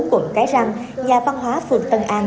quận cái răng nhà văn hóa phường tân an